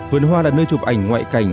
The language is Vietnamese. vườn hoa là nơi chụp ảnh ngoại cảnh